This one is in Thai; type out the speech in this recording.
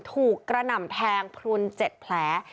ถูกกระหน่ำแทงพลุน๗แผล